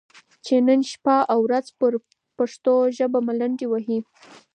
چې نن شپه او ورځ پر پښتو ژبه ملنډې وهي،